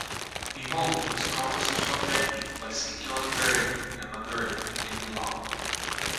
He honed his compositional technique by seeking out Berio and Maderna in Milan.